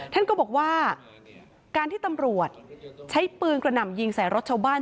ท่านก็บอกว่าการที่ตำรวจใช้ปืนกระหน่ำยิงใส่รถชาวบ้าน